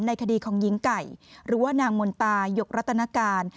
คดีของหญิงไก่หรือว่านางมนตายกรัตนการ